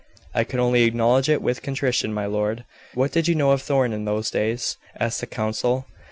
"I can only acknowledge it with contrition, my lord." "What did you know of Thorn in those days?" asked the counsel.